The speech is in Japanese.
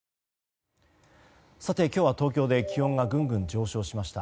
今日は東京で気温がぐんぐん上昇しました。